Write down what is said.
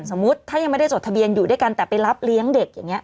สมมุติถ้ายังไม่ได้จดทะเบียนอยู่ด้วยกันแต่ไปรับเลี้ยงเด็กอย่างนี้